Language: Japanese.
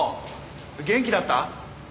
元気だった？